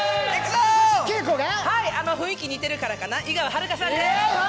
雰囲気似てるからかな、井川遥さんです。